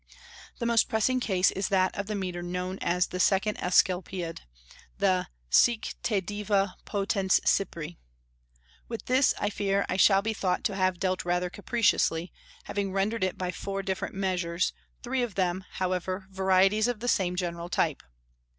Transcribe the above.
The most pressing case is that of the metre known as the second Asclepiad, the "Sic te diva potens Cypri." With this, I fear, I shall be thought to have dealt rather capriciously, having rendered it by four different measures, three of them, however, varieties of the same general type.